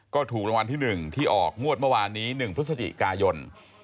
ก็ถูกรางวัลที่๑ที่ออกงวดเมื่อวานนี้๑พฤศจิกายน